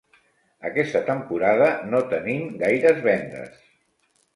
Aquesta temporada no tenim gaires vendes.